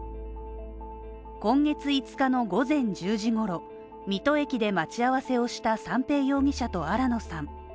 今月５日の午前１０時ごろ、水戸駅で待ち合わせをした三瓶容疑者と新野さん。